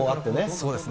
そうですね。